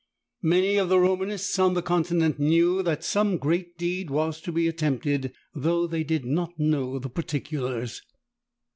Many of the Romanists on the Continent knew that some great deed was to be attempted, though they did not know the particulars.